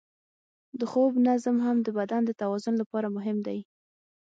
د خوب نظم هم د بدن د توازن لپاره مهم دی.